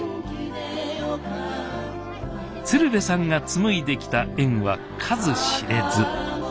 鶴瓶さんが紡いできた縁は数知れず。